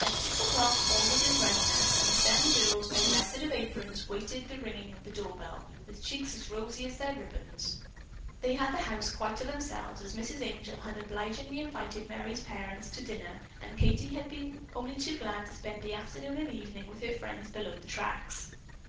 At six o'clock all was in readiness, and the seven girls, divested of aprons, waited the ringing of the door bell with cheeks as rosy as their ribbons. They had the house quite to themselves, as Mrs. Angel had obligingly invited Merry's parents to dinner and Katie had been only too glad to spend the afternoon and evening with her friends below the tracks.